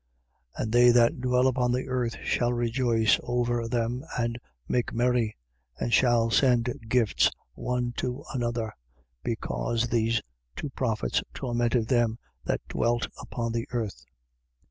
11:10. And they that dwell upon the earth shall rejoice over them and make merry: and shall send gifts one to another, because these two prophets tormented them that dwelt upon the earth.